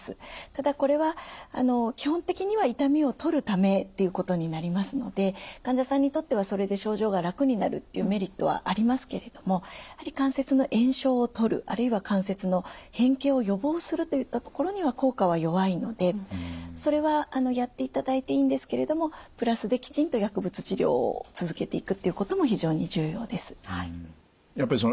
ただこれは基本的には痛みをとるためっていうことになりますので患者さんにとってはそれで症状が楽になるっていうメリットはありますけれどもやはり関節の炎症をとるあるいは関節の変形を予防するといったところには効果は弱いのでそれはやっていただいていいんですけれどもプラスできちんと薬物治療を続けていくっていうことも非常に重要です。